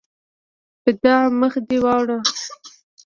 بدعا: مخ دې واوړه!